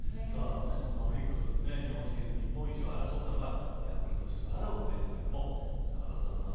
さあそんなオリックスですね日本シリーズ日本一を争ったのがヤクルトスワローズでしたけど真田さん